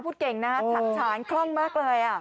พูดเก่งนะสักฉานคล่องมากเลย